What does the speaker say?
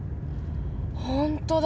ホントだ。